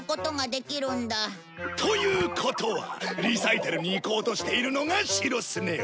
ということはリサイタルに行こうとしているのが白スネ夫。